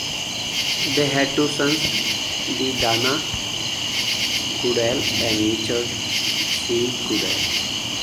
They had two sons D. Dana Goodell and Richard C. Goodell.